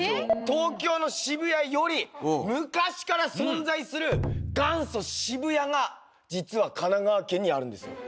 東京の渋谷より昔から存在する元祖・渋谷が実は神奈川県にあるんです。